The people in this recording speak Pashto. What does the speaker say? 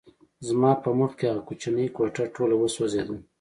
زما په مخکې هغه کوچنۍ کوټه ټوله وسوځېده